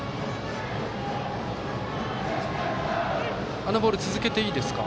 あのボール続けていいですか？